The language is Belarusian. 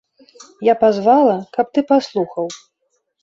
Я пазвала, каб ты паслухаў.